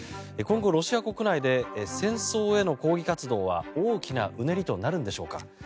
今後、ロシア国内で戦争への抗議活動は大きなうねりとなるんでしょうか。